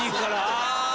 ああ！